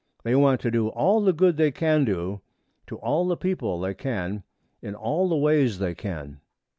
They want to do 'all the good they can to all the people they can in all the ways they can.'